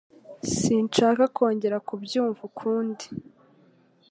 Sinshaka kongera kubyumva ukundi.